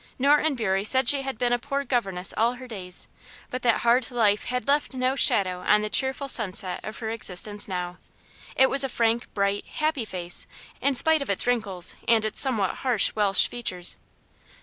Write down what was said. Norton Bury said she had been a poor governess all her days; but that hard life had left no shadow on the cheerful sunset of her existence now. It was a frank, bright, happy face, in spite of its wrinkles, and its somewhat hard Welsh features.